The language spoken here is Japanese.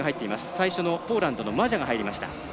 最初のポーランドのマジャが入りました。